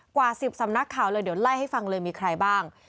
กว่า๑๐สำนักข่าวเลยเดี๋ยวไล่ให้ฟังเลยมีใครบ้าง